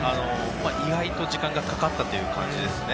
意外と時間がかかったという感じでしたね。